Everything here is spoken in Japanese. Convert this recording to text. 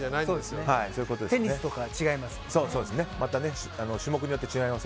テニスとかと違います。